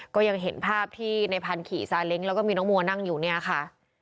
ก็ยังเห็นภาพที่ในพันธุ์ขี่ซาเล้งแล้วก็มีน้องมัวนั่งอยู่เนี่ยค่ะ